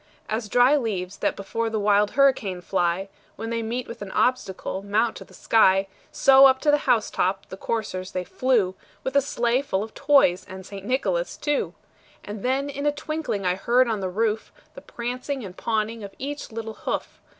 As dry leaves that before the wild hurricane fly, When they meet with an obstacle, mount to the sky, So, up to the house top the coursers they flew, With a sleigh full of toys and St. Nicholas too. And then in a twinkling I heard on the roof, The prancing and pawing of each little hoof.